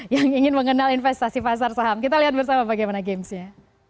yang ingin mengenal investasi pasar saham kita lihat bersama bagaimana gamesnya